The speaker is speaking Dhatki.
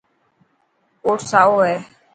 ڪوٽ سائو هي.